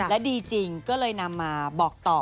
และดีจริงก็เลยนำมาบอกต่อ